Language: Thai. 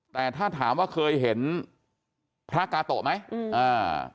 แต่ถ้าถามว่าเคยเห็นพระกาโตะไหมอืมอ่า